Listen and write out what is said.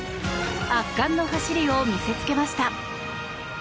圧巻の走りを見せつけました。